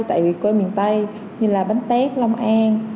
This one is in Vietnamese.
tại quê miền tây như là bánh tết lông an